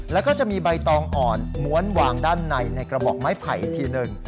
แล้วก็จะมีใบตองอ่อนม้วนวางด้านในในกระบอกไม้ไผ่อีกทีหนึ่ง